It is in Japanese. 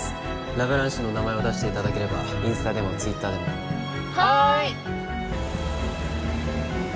ラ・ブランシュの名前を出していただければインスタでもＴｗｉｔｔｅｒでもはーい！